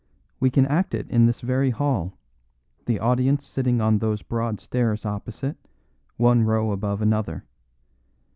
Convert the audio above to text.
We can act it in this very hall, the audience sitting on those broad stairs opposite, one row above another.